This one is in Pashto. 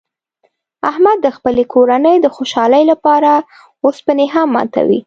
احمد د خپلې کورنۍ د خوشحالۍ لپاره اوسپنې هم ماتوي.